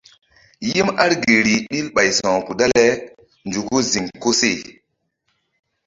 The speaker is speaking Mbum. Yim argi rih ɓil ɓay sa̧wkpuh dale nzuku ziŋ koseh.